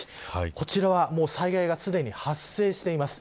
こちらは災害がすでに発生しています。